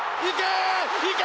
行け！